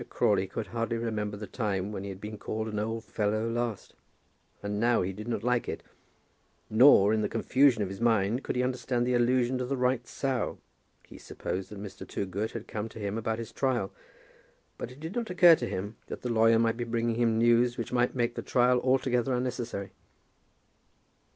Crawley could hardly remember the time when he had been called an old fellow last, and now he did not like it; nor, in the confusion of his mind, could he understand the allusion to the right sow. He supposed that Mr. Toogood had come to him about his trial, but it did not occur to him that the lawyer might be bringing him news which might make the trial altogether unnecessary.